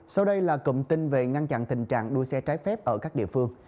sau đây là cụm tin về ngăn chặn tình trạng đua xe trái phép ở các địa phương